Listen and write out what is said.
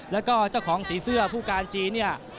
แล้วก็เจ้าของสีเสื้อผู้การจีนเนี่ย